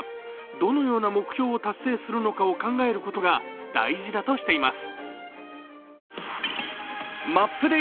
どのような目標を達成するのかを考えることが大事だとしています。